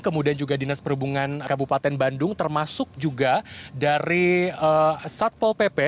kemudian juga dinas perhubungan kabupaten bandung termasuk juga dari satpol pp